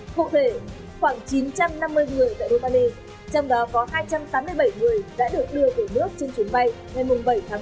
cụ thể khoảng chín trăm năm mươi người tại đô tà nê trong đó có hai trăm tám mươi bảy người đã được đưa về nước trên chuyến bay ngày bảy tháng ba